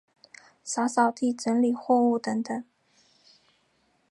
扫扫地、整理货物等等